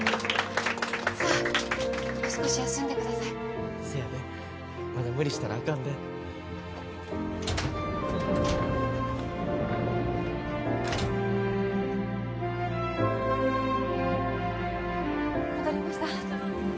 さあもう少し休んでくださいせやでまだ無理したらあかんで戻りました